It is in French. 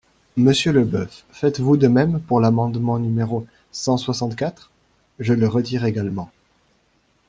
Monsieur Leboeuf, faites-vous de même pour l’amendement numéro cent soixante-quatre ? Je le retire également.